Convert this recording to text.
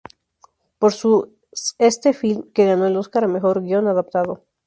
Por sus este film que ganó el Oscar a Mejor Guion Adaptado.